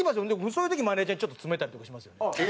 そういう時マネージャーにちょっと詰めたりとかしますよね。